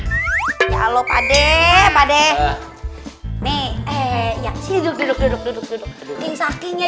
kalau pade pade nih ya duduk duduk duduk duduk duduk duduk duduk duduk duduk duduk duduk duduk